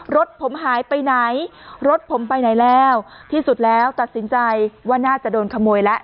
รถผมหายไปไหนรถผมไปไหนแล้วที่สุดแล้วตัดสินใจว่าน่าจะโดนขโมยแล้ว